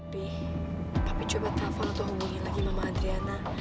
be tapi coba telepon atau hubungin lagi mama adriana